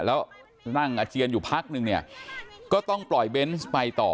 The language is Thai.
แล้วนั่งอาเจียนอยู่พักนึงเนี่ยก็ต้องปล่อยเบนส์ไปต่อ